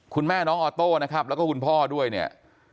คุณแม่น้องออโต้นะครับแล้วก็คุณพ่อด้วยเนี่ย